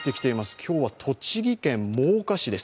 今日は栃木県真岡市です。